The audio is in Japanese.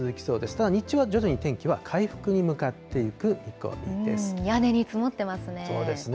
ただ、日中は徐々に天気は回復に屋根に積もってますね。